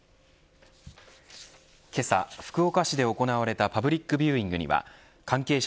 けさ、福岡市で行われたパブリックビューイングには関係者